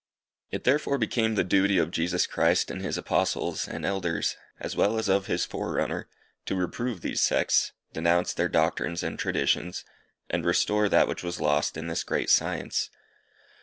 It therefore became the duty of Jesus Christ and his Apostles and Elders, as well as of his forerunner, to reprove those sects, denounce their doctrines and traditions, and restore that which was lost in this great science.